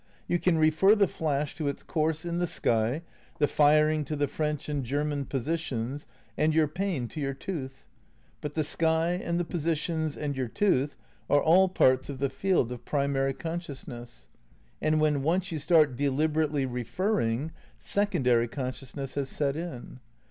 You can refer the flash to its course in the sky, the fir ing to the French and German positions, and your pain to your tooth; but the sky and the positions and your tooth are all parts of the field of primary conscious ness; and when once you start deliberately referring, secondary consciousness has set in.